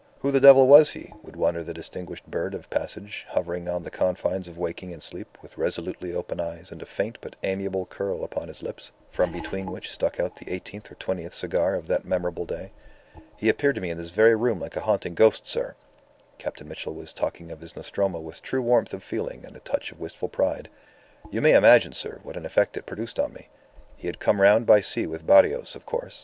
Who the devil was he?" would wonder the distinguished bird of passage hovering on the confines of waking and sleep with resolutely open eyes and a faint but amiable curl upon his lips, from between which stuck out the eighteenth or twentieth cigar of that memorable day. "He appeared to me in this very room like a haunting ghost, sir" Captain Mitchell was talking of his Nostromo with true warmth of feeling and a touch of wistful pride. "You may imagine, sir, what an effect it produced on me. He had come round by sea with Barrios, of course.